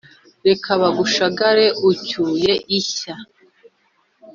reka bagushagare ucyuye ishya.